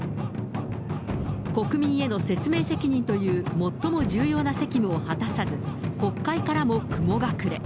国民への説明責任という最も重要な責務を果たさず、国会からも雲隠れ。